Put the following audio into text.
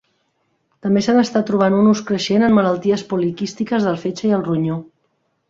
També se n'està trobant un ús creixent en malalties poliquístiques del fetge i el ronyó.